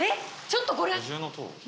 ちょっとこれ。